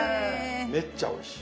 めっちゃおいしい。